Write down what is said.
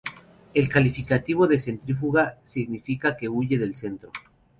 El calificativo de "centrífuga" significa que "huye del centro".